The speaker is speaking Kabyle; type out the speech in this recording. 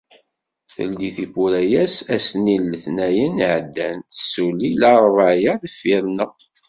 Teldi tiwwura-as ass-nni n letnayen iɛeddan, tessuli larebɛa-a deffir-neɣ.